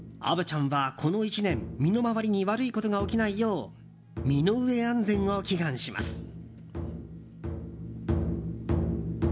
虻ちゃんはこの１年身の回りに悪いことが起きないよう身上安全を祈願します。